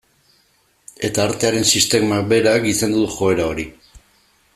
Eta artearen sistemak berak gizendu du joera hori.